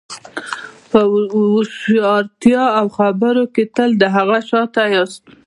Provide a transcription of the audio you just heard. په هوښیارتیا او خبرو کې تل له هغه شاته یاست.